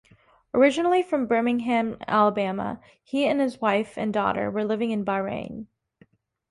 Originally from Birmingham, Alabama, he and his wife and daughter were living in Bahrain.